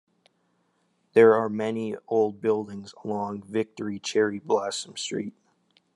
There are many old buildings along Victory Cherry Blossom Street.